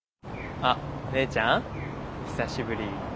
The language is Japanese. あっ姉ちゃん久しぶり。